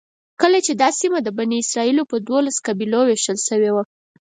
کله چې دا سیمه د بني اسرایلو په دولسو قبیلو وېشل شوې وه.